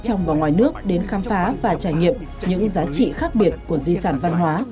trong và ngoài nước đến khám phá và trải nghiệm những giá trị khác biệt của di sản văn hóa